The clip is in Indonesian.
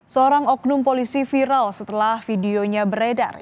seorang oknum polisi viral setelah videonya beredar